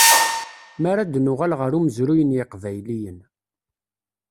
Mi ara d-nuɣal ɣer umezruy n yiqbayliyen.